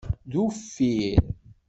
D uffir.